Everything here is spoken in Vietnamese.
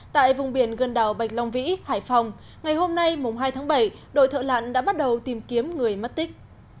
tại vùng biển gần đảo bạch long vĩ hải phòng ngày hôm nay mùng hai tháng bảy đội thợ lặn đã bắt đầu tìm kiếm người mất tích